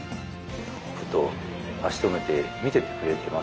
ふと足止めて見てってくれてますよね。